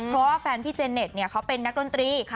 เพราะว่าแฟนพี่เจเน็ตเขาเป็นนักดนตรี